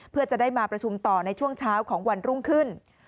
เพื่อจะได้มาประชุมต่อในช่วงเช้าของวันรุ่งขึ้น